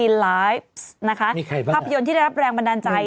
มีไลฟ์นะคะภาพยนตร์ที่ได้รับแรงบันดาลใจ